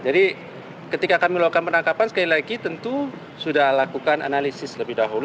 jadi ketika kami melakukan penangkapan sekali lagi tentu sudah lakukan analisis lebih dahulu